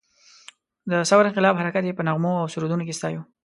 د ثور انقلاب حرکت یې په نغمو او سرودونو کې ستایلو.